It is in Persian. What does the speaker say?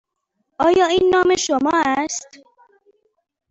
آیا این نام شما است؟